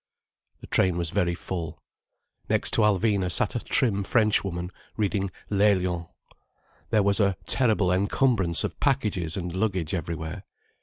The train was very full. Next to Alvina sat a trim Frenchwoman reading L'Aiglon. There was a terrible encumbrance of packages and luggage everywhere.